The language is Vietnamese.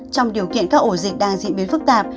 trong điều kiện các ổ dịch đang diễn biến phức tạp